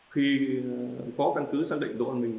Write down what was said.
khi có căn cứ xác định đỗ văn minh